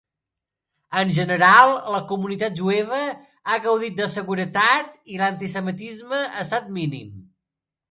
En general, la comunitat jueva ha gaudit de seguretat i l'antisemitisme ha estat mínim.